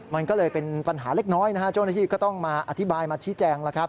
มันก็เลยเป็นปัญหาเล็กน้อยโจทย์นาทีก็ต้องมาอธิบายมาชี้แจง